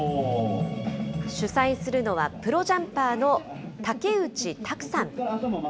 主催するのはプロジャンパーの竹内択さん。